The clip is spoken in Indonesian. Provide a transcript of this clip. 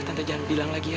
tante jangan bilang lagi ya